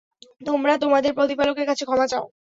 তোমরা তোমাদের প্রতিপালকের কাছে ক্ষমা চাও।